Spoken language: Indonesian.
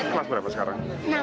kelas berapa sekarang